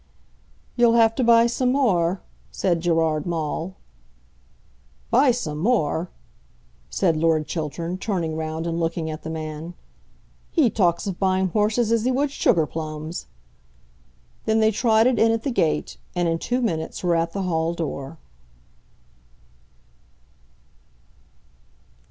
"You'll have to buy some more," said Gerard Maule. "Buy some more!" said Lord Chiltern, turning round, and looking at the man. "He talks of buying horses as he would sugar plums!" Then they trotted in at the gate, and in two minutes were at the hall door.